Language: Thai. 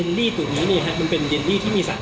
ยันลี่ตรงนี้เนี่ยครับมันเป็นยันลี่ที่มีสัตว์